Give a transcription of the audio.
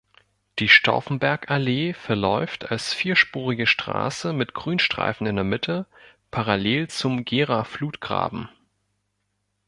Die Stauffenbergallee verläuft als vierspurige Straße mit Grünstreifen in der Mitte parallel zum Gera-Flutgraben.